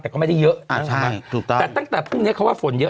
แต่ก็ไม่ได้เยอะถูกต้องแต่ตั้งแต่พรุ่งเนี้ยเขาว่าฝนเยอะ